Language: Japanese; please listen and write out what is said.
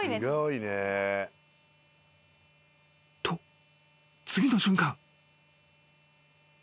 ［と次の瞬間］